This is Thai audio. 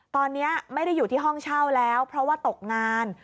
ตอนนี้ไม่ได้อยู่ที่ห้องเช่าแล้วเพราะว่าตกงาน